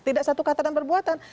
tidak satu kata dan perbuatan